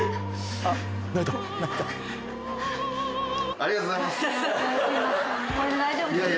「ありがとうございます」